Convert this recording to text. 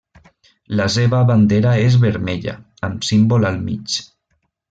La seva bandera és vermella amb símbol al mig.